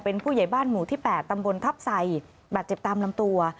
เป็นผู้ใหญ่บ้านหมู่ที่๘ตำบลทับใส่บาดเจ็บตามลำตัว